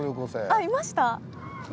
あっいました？